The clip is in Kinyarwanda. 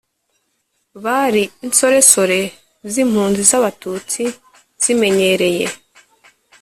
bari insoresore z'impunzi z'abatutsi zimenyereye